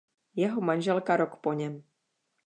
Jeho manželka rok po něm.